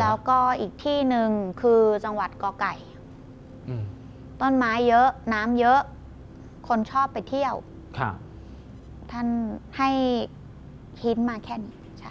แล้วก็อีกที่หนึ่งคือจังหวัดก่อไก่ต้นไม้เยอะน้ำเยอะคนชอบไปเที่ยวท่านให้คิดมาแค่นี้